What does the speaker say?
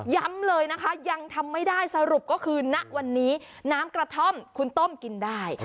เลยนะคะยังทำไม่ได้สรุปก็คือณวันนี้น้ำกระท่อมคุณต้มกินได้